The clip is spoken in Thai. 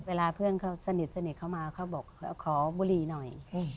เวลาเพื่อนเขาสนิทเข้ามาเขาบอกขอบุหรี่หน่อย